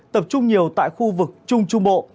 tập trung nhiều tại khu vực trung trung bộ